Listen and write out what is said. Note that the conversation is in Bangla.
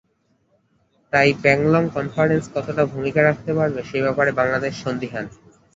তাই প্যাংলং কনফারেন্স কতটা ভূমিকা রাখতে পারবে, সে ব্যাপারে বাংলাদেশ সন্দিহান।